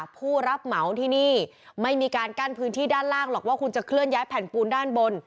ผู้รับเหมาที่นี่ไม่มีการกั้นพื้นที่ด้านล่างหรอกว่าคุณจะเคลื่อนย้ายแผ่นปูนด้านบน